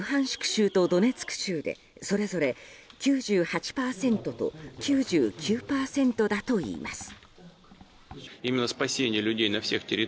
州とドネツク州でそれぞれ９８％と９９％だといいます。